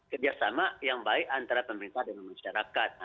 kerjasama yang baik antara pemerintah dan masyarakat